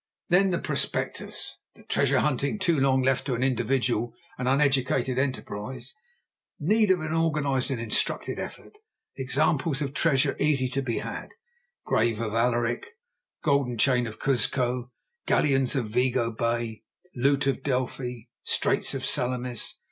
Then the prospectus! Treasure hunting too long left to individual and uneducated enterprise. Need of organised and instructed effort. Examples of treasure easily to be had. Grave of Alaric. Golden chain of Cuzco. Galleons of Vigo Bay. Loot of Delphi. Straits of Salamis.